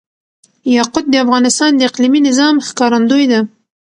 یاقوت د افغانستان د اقلیمي نظام ښکارندوی ده.